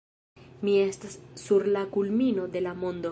Mi estas sur la kulmino de la mondo